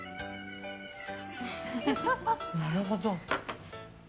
なるほど。